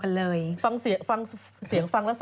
คนฟังต้องตั้งใจฟังไง